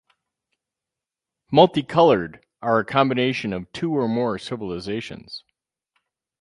Multicolored are a combination of two or more civilizations.